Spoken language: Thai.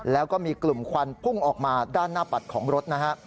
แล้วก็มีกลุ่มควันพุ่งออกมาด้านหน้าปัดของรถนะฮะ